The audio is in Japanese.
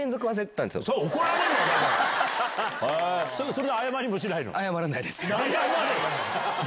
それで謝りもしないの？